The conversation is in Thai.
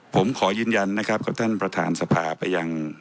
ผมขอยืนยันนะครับกับท่านประธานสภาไปยัง